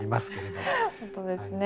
本当ですね